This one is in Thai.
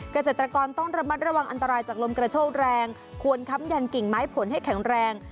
เกษตรกรต้องระมัดระวังอันตรายจากลมกระโชกแรงควรค้ำยันกิ่งไม้ผลให้แข็งแรง